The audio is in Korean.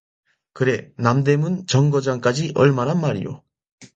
그래 남대문 정거장까지 얼마란 말이요?